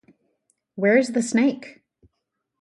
Where is the snake?